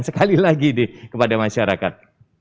sekali lagi deh kepada masyarakat